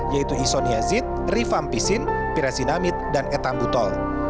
yaitu isoniazid rifampisin pirasinamid dan etambutol